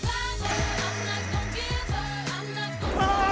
ああ！